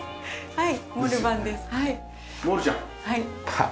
はい。